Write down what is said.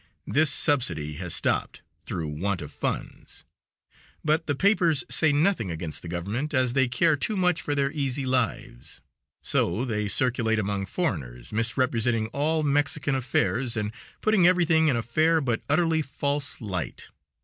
This subsidy has stopped, through want of funds, but the papers say nothing against the government, as they care too much for their easy lives; so they circulate among foreigners misrepresenting all Mexican affairs, and putting everything in a fair but utterly false light.